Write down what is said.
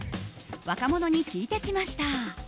若者に聞いてきました。